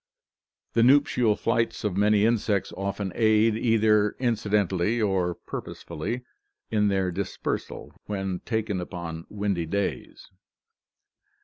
The nuptial flights of many insects often aid, either incidentally or purposefully, in their dis persal, when taken upon windy days.